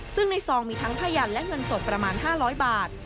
ซึ่งในซองมีทั้งผ้ายันและเงินสดประมาณ๕๐๐บาท